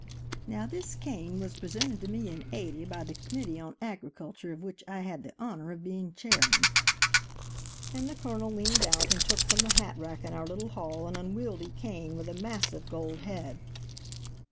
"Now this cane was presented to me in '80 by the Committee on Agriculture, of which I had the honor of being Chairman." And the Colonel leaned out and took from the hat rack in our little hall an unwieldly cane with a massive gold head.